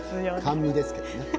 甘味ですけどね。